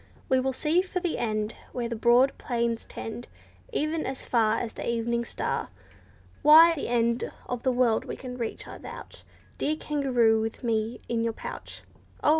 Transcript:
We will seek for the end, Where the broad plains tend, E'en as far as the evening star. Why, the end of the world we can reach, I vouch, Dear kangaroo, with me in your pouch." Oh!